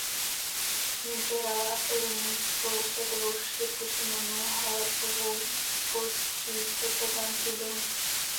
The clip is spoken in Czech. V něm přehrála rumunskou světovou čtyřku Simonu Halepovou po třísetovém průběhu.